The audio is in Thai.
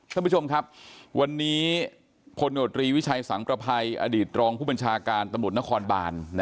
ท่านผู้ชมครับวันนี้พลโนตรีวิชัยสังประภัยอดีตรองผู้บัญชาการตำรวจนครบาน